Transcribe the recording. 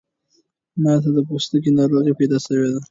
ماته د پوستکی ناروغۍ پیدا شوی ده